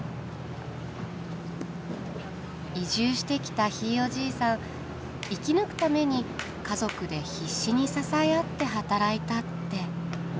移住してきたひいおじいさん生き抜くために家族で必死に支え合って働いたって。